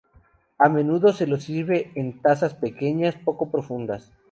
A menudo se lo sirve en tazas pequeñas poco profundas.